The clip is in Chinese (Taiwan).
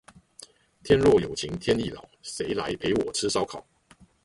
天若有情天亦老，誰來陪我吃燒烤